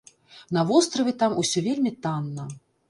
На востраве там усё вельмі танна.